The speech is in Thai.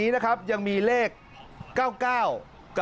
ปลูกมะพร้าน้ำหอมไว้๑๐ต้น